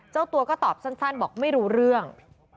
เจ้าตัวก็ตอบสั้นบอกไม่รู้เรื่อง